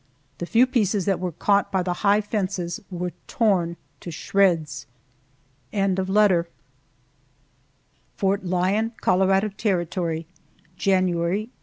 The few pieces that were Caught by the high fences were torn to shreds. FORT LYON, COLORADO TERRITORY, January, 1872.